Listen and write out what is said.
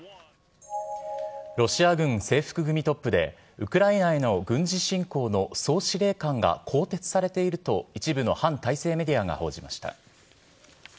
ロシア軍制服組トップで、ウクライナへの軍事侵攻の総司令官が更迭されていると、一部の反体制メディアが報じました。